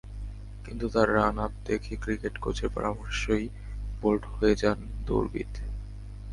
কিন্তু তাঁর রানআপ দেখে ক্রিকেট কোচের পরামর্শেই বোল্ট হয়ে যান দৌড়বিদ।